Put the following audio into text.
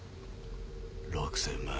６０００万